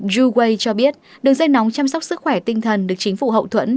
juway cho biết đường dây nóng chăm sóc sức khỏe tinh thần được chính phủ hậu thuẫn